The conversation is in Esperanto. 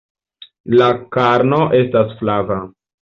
La karno estas flava.